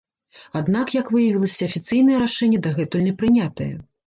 Аднак, як выявілася, афіцыйнае рашэнне дагэтуль не прынятае.